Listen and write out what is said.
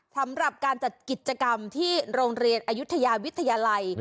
สำหรับการจัดกิจกรรมที่โรงเรียนอายุทยาวิทยาลัย